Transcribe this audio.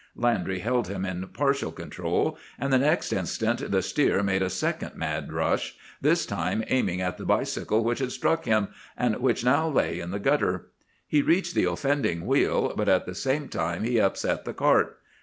Landry held him in partial control; and the next instant the steer made a second mad rush, this time aiming at the bicycle which had struck him, and which now lay in the gutter. He reached the offending wheel, but at the same time he upset the cart.